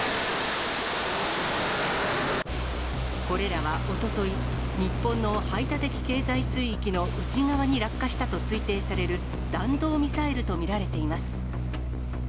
これらはおととい、日本の排他的経済水域の内側に落下したと推定される、弾道ミサイルと見られています。